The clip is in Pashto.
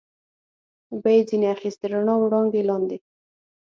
به یې ځنې اخیست، د رڼا وړانګې لاندې.